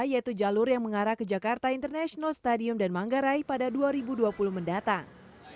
yaitu jalur yang mengarah ke jakarta international stadium dan manggarai pada dua ribu dua puluh mendatang